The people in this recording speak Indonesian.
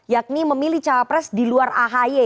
yakni memilih cawapres di luar ahy